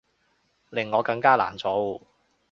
令我更加難做